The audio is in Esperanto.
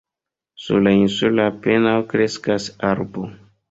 Sur la insulo apenaŭ kreskas arbo.